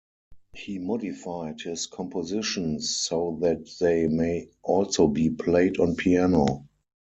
He modified his compositions so that they may also be played on piano.